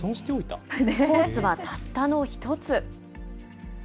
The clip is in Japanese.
コースはたったの１つ。